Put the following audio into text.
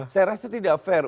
saya rasa tidak fair